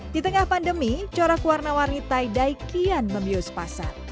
di tengah pandemi corak warna warni tie dye kian memius pasar